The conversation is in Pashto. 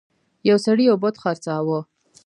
یو سړي یو بت خرڅاوه.